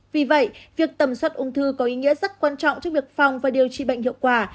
vì vậy việc tầm soát ung thư có ý nghĩa rất quan trọng cho việc phòng và điều trị bệnh hiệu quả